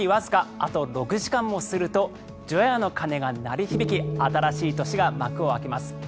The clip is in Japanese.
あと６時間もすると除夜の鐘が鳴り響き新しい年が幕を開けます。